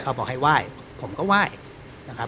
เขาบอกให้ว่ายผมก็ว่ายนะครับ